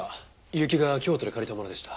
結城が京都で借りたものでした。